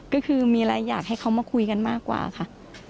ก็คือมีอะไรอยากให้เขามาคุยกันมากกว่าค่ะ